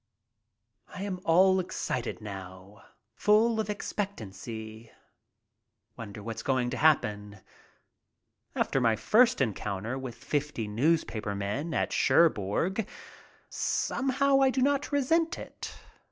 I am all excited now; full of expectancy. Wonder what's going to happen. After my first encounter with fifty news paper men at Cherbourg, somehow I do not resent it.